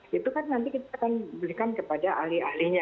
itu kan nanti kita akan berikan kepada ahli ahlinya